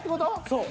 そう。